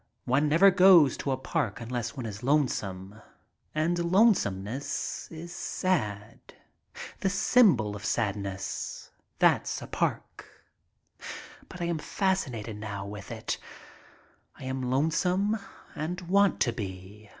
One never goes to a park unless one is lone some. And lonesomeness is sad. The symbol of sadness, that's a park. But I am fascinated now with it. I am lonesome and want to be.